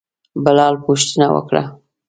بلال پوښتنه وکړه.